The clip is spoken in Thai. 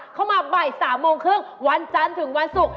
เข้ามาบ่าย๓โมงครึ่งวันจันทร์ถึงวันศุกร์